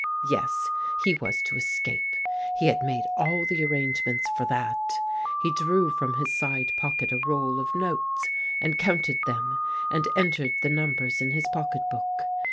Yes, he was to escape— he had made all the arrangements for that. He drew from his side pocket a roll of notes, and counted them, and entered the numbers in his pocket book.